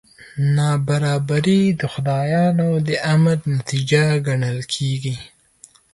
نابرابري د خدایانو د امر نتیجه ګڼل کېږي.